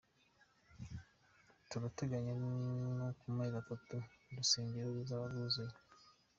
Turateganya ko mu mezi atatu urusengero ruzaba rwuzuye.